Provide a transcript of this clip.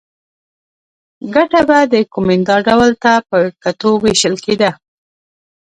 ګټه به د کومېندا ډول ته په کتو وېشل کېده.